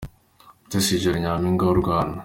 Mutesi Jolly : Nyampinga w’u Rwanda